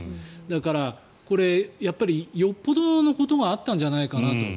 だからこれ、やっぱりよほどのことがあったんじゃないかなと。